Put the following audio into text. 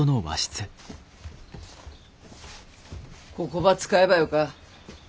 ここば使えばよか。